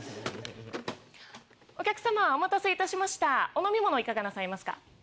お客さまお待たせいたしましたお飲み物いかがなさいますか？